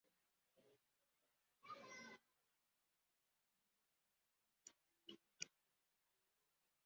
Umugabo atwaye imodoka nini yo kubaka